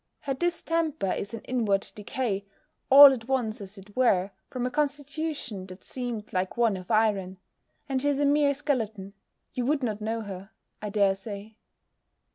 Her distemper is an inward decay, all at once as it were, from a constitution that seemed like one of iron; and she is a mere skeleton: you would not know her, I dare say.